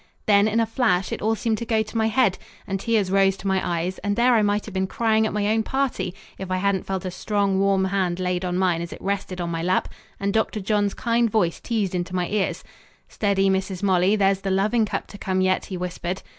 Then in a flash it all seemed to go to my head, and tears rose to my eyes, and there I might have been crying at my own party if I hadn't felt a strong warm hand laid on mine as it rested on my lap and Dr. John's kind voice teased into my ears "Steady, Mrs. Molly, there's the loving cup to come yet," he whispered.